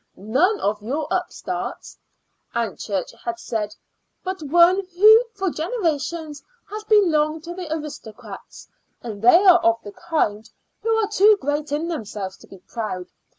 "None of your upstarts," Aunt Church had said, "but one who for generations has belonged to the aristocrats; and they are of the kind who are too great in themselves to be proud.